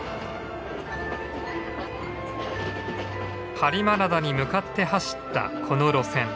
播磨灘に向かって走ったこの路線。